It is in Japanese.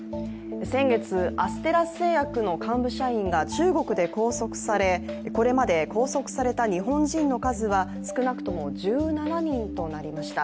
先月、アステラス製薬の幹部社員が中国で拘束され、これまで拘束された日本人の数は少なくとも１７人となりました。